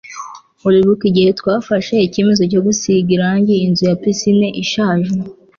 uribuka igihe twafashe icyemezo cyo gusiga irangi inzu ya pisine ishaje